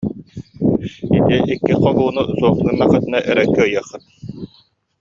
Ити икки хоһууну суох гыннаххытына эрэ кыайыаххыт